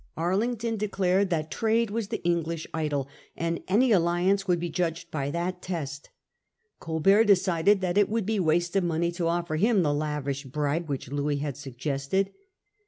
Arlington declared that trade was the English idol, and any alliance would be judged by that test. Colbert decided that it would be waste of money to offer him the lavish bribe which Louis had suggested.